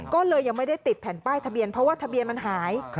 ก็เลยยังไม่ได้ติดแผ่นป้ายทะเบียนเพราะว่าทะเบียนมันหาย